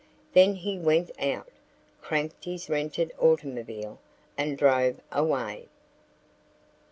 Then he went out, cranked his rented automobile, and drove away.